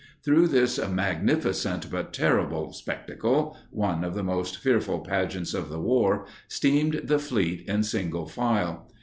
Through this "magnificent, but terrible" spectacle—one of the most fearful pageants of the war—steamed the fleet in single file.